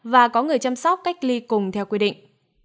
và có người chăm sóc cách ly cùng theo quy định